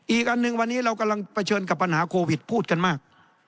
อีกอันหนึ่งวันนี้เรากำลังเผชิญกับปัญหาโควิดพูดกันมาก